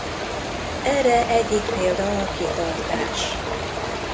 Erre egyik példa a kitartás.